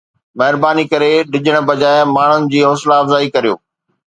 مھرباني ڪري ڊڄڻ بجاءِ ماڻھن جي حوصلا افزائي ڪريو